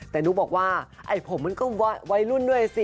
แต่หนูบอกว่าไอ้ผมมันก็วัยรุ่นด้วยสิ